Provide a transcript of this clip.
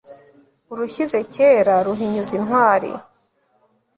urushyize kera ruhinyuza intwari